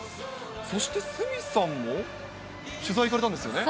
そして鷲見さんも、取材行かれたんですよね？